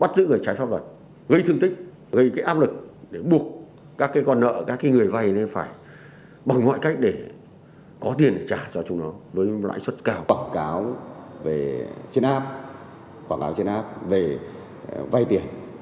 trên app quảng cáo trên app về vay tiền